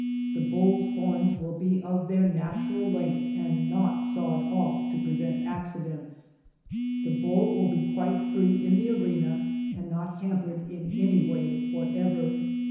The Bull's horns will be of their natural length, and 'not sawed off to prevent accidents.' The Bull will be quite free in the arena, and not hampered in any way whatever."